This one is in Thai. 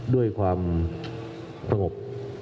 ด้วยความสงบ